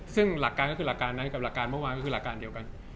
ซึ่งหลักการก็คือหลักการนั้นกับหลักการเมื่อวานก็คือหลักการเดียวกัน